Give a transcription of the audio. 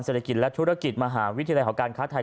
เศรษฐกิจและธุรกิจมหาวิทยาลัยของการค้าไทย